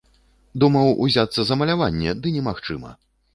Думаў узяцца за маляванне, ды немагчыма.